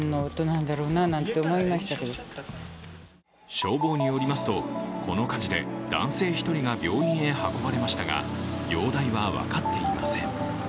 消防によりますとこの火事で男性１人が病院へ運ばれましたが容体は分かっていません。